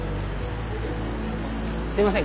すみません。